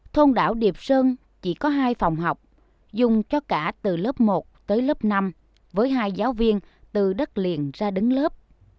thôn đảo điệp sơn chỉ có hai phòng học dùng cho cả từ lớp một tới lớp năm với hai giáo viên từ đất liền ra đứng lớp